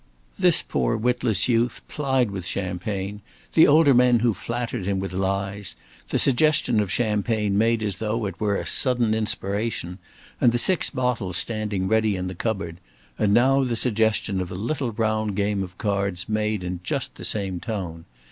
This poor witless youth, plied with champagne; the older men who flattered him with lies; the suggestion of champagne made as though it were a sudden inspiration, and the six bottles standing ready in the cupboard; and now the suggestion of a little round game of cards made in just the same tone!